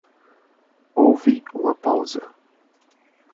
Houve uma pausa.